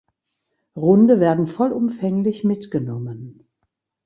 Runde werden vollumfänglich mitgenommen.